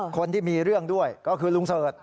คนที่มีเรื่องด้วยก็คือลุงเสิร์ช